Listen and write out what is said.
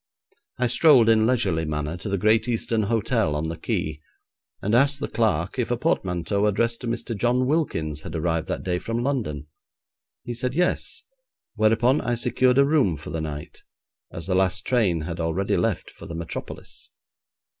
I strolled in leisurely manner to the Great Eastern Hotel on the Quay, and asked the clerk if a portmanteau addressed to Mr. John Wilkins had arrived that day from London. He said 'Yes,' whereupon I secured a room for the night, as the last train had already left for the metropolis.